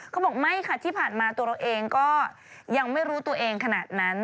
เขาบอกไม่ค่ะที่ผ่านมาตัวเราเองก็ยังไม่รู้ตัวเองขนาดนั้น